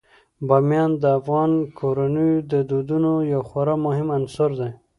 بامیان د افغان کورنیو د دودونو یو خورا مهم عنصر دی.